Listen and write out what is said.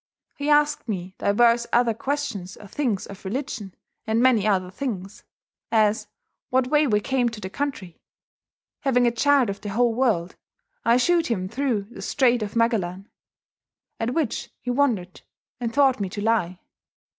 He asked me diverse other questions of things of religion, and many other things: As, what way we came to the country? Having a chart of the whole world, I shewed him through the Straight of Magellan. At which he wondred, and thought me to lie.